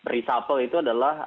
reshuffle itu adalah